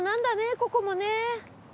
ここもね。